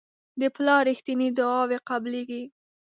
د پلار رښتیني دعاوې قبلیږي.